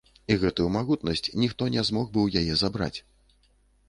І гэтую магутнасць ніхто не змог бы ў яе забраць.